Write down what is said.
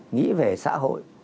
nghĩ về xã hội